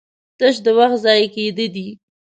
تش د وخت ضايع کېده دي